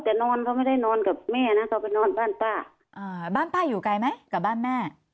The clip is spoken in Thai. แต่นอนเขาไม่ได้นอนกับแม่นะเขาไปนอนบ้านป้าอ่าบ้านป้าอยู่ไกลไหมกับบ้านแม่